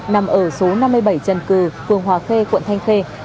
nằm ở số năm mươi bảy trần cử phường hòa khê quận thanh khê